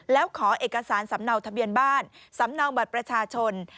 แล้วขอเอกสารสำเนาทะเบียนบ้านสำเนาบัตรประชาชน